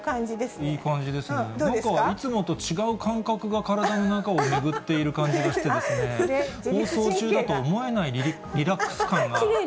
なんかいつもと違う感覚が体の中を巡っている感じがして、放送中だと思えないリラックス感がありますね。